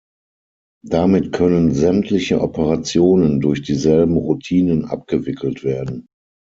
Damit können sämtliche Operationen durch dieselben Routinen abgewickelt werden.